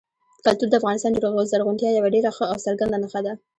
کلتور د افغانستان د زرغونتیا یوه ډېره ښه او څرګنده نښه ده.